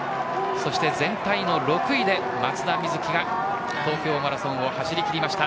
全体の６位で松田瑞生が東京マラソンを走り切りました。